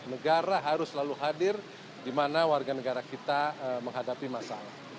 negara harus selalu hadir di mana warga negara kita menghadapi masalah